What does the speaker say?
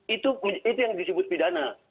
itu yang disebut pidana